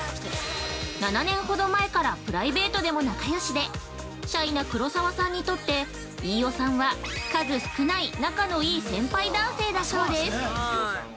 ７年ほど前からプライベートでも仲良しで、シャイな黒沢さんにとって飯尾さんは、数少ない仲のいい先輩男性だそうです。